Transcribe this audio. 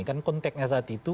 kan konteknya saat itu